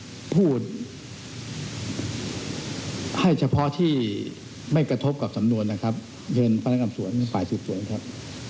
ก็พูดให้เฉพาะที่ไม่กระทบกับสำนวนนะครับเรียนพนักงานสวนฝ่ายสืบสวนครับ